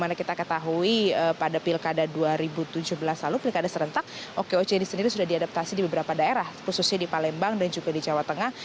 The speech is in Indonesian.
dimana kita ketahui pada pilkada dua ribu tujuh belas lalu pilkada serentak okoc ini sendiri sudah diadaptasi di beberapa daerah khususnya di palembang dan juga di jawa tengah